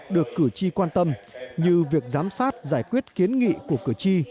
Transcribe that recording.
được cử tri quan tâm như việc giám sát giải quyết kiến nghị của cử tri